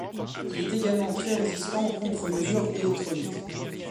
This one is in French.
Il est également très résistant aux contre-mesures électroniques.